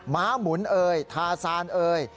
้าหมุนเอ่ยทาซานเอ่ย